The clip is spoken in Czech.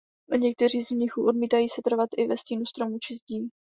Někteří z mnichů odmítají setrvat i ve stínu stromů či zdí.